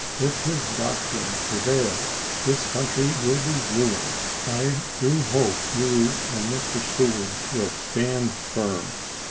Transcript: If his doctrine prevails this country will be ruined. I do hope you and Mr. ms. Seward will stand firm."